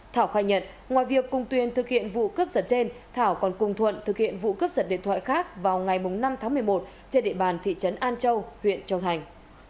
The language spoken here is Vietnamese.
thảo khai nhận ngoài việc cùng tuyền thực hiện vụ cướp giật trên thảo còn cùng thuận thực hiện vụ cướp giật điện thoại khác vào ngày năm tháng một mươi một trên địa bàn thị trấn an châu huyện châu thành